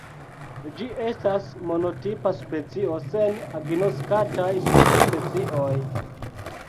Ĝi estas monotipa specio sen agnoskataj subspecioj.